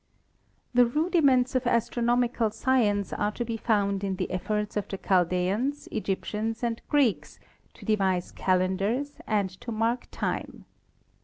The rudiments of astronomical science are to be found in the efforts of the Chaldeans, Egyptians and Greeks to devise calendars and to mark time.